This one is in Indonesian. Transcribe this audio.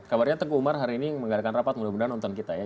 kabarnya teguh umar hari ini mengadakan rapat mudah mudahan nonton kita ya